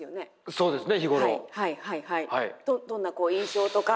そうですよね。